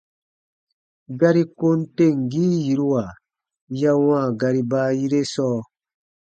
Gari kom temgii yiruwa ya wãa gari baayire sɔɔ.